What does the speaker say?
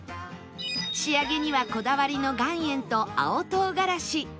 仕上げにはこだわりの岩塩と青唐辛子